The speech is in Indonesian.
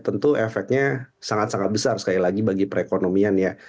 tentu efeknya sangat sangat besar sekali lagi bagi perekonomian ya